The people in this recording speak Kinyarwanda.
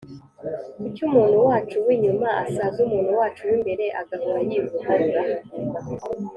Kuki umuntu wacu w’inyuma asaza umuntu wacu w’imbere agahora yivugurura